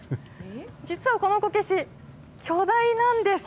実はこのこけし、巨大なんです。